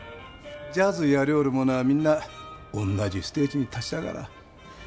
ジャズやりょうる者あみんなおんなじステージに立ちたがらぁ。